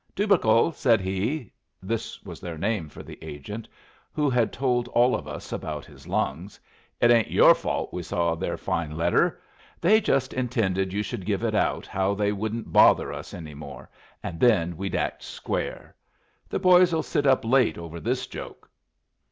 "Tubercle," said he (this was their name for the agent, who had told all of us about his lungs), "it ain't your fault we saw their fine letter. They just intended you should give it out how they wouldn't bother us any more, and then we'd act square. The boys'll sit up late over this joke."